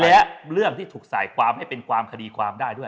และเรื่องที่ถูกใส่ความให้เป็นความคดีความได้ด้วย